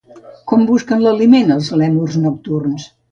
Com busquen aliment els lèmurs nocturns?